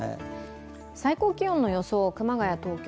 最高気温の予想です。